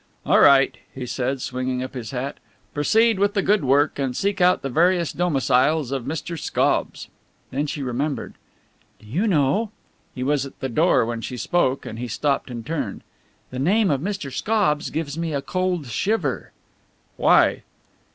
"All right," he said, swinging up his hat, "proceed with the good work and seek out the various domiciles of Mr. Scobbs." Then she remembered. "Do you know ?" He was at the door when she spoke and he stopped and turned. "The name of Mr. Scobbs gives me a cold shiver." "Why?"